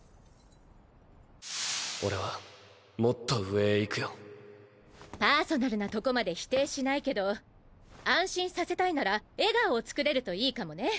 俺はもっと上へ行くよパーソナルなとこまで否定しないけど安心させたいなら笑顔をつくれると良いかもね。